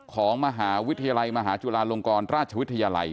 ของมหาวิทยาลัยมหาจุฬาลงกรราชวิทยาลัย